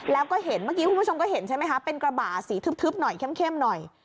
แล้วก็เห็นเมื่อกี้คุณผู้ชมก็เห็นใช่ไหมคะเป็นกระบะสีทึบหน่อยเข้มหน่อย